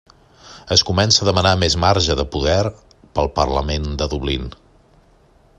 Es comença a demanar més marge de poder pel parlament de Dublín.